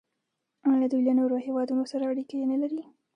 آیا دوی له نورو هیوادونو سره اړیکې نلري؟